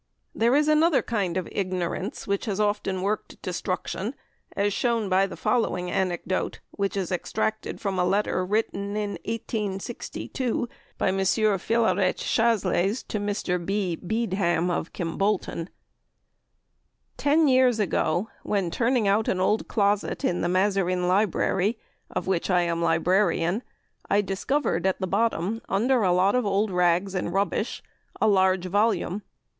There is another kind of ignorance which has often worked destruction, as shown by the following anecdote, which is extracted from a letter written in 1862 by M. Philarete Chasles to Mr. B. Beedham, of Kimbolton: "Ten years ago, when turning out an old closet in the Mazarin Library, of which I am librarian, I discovered at the bottom, under a lot of old rags and rubbish, a large volume.